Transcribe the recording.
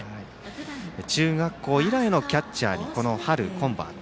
中学校以来のキャッチャーにこの春コンバート。